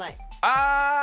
ああ！